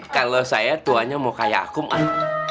kalau saya tuanya mau kayak aku pak